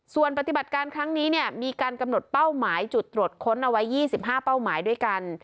ส่วนปฏิบัติการครั้งนี้เนี่ยมีการกำหนดเป้าหมายจุดตรวจค้นเอาไว้๒๕เป้าหมายด้วยกัน